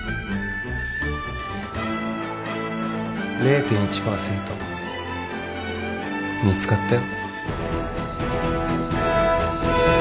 ０．１％見つかったよ